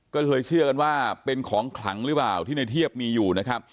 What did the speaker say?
ก็เลยเชื่อกันว่าเป็นของขลังหรือเปล่าที่ในเทียบมีอยู่นะครับ